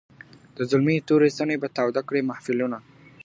د زلمیو توري څڼي به تاوده کړي محفلونه .